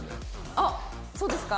あっそうですか？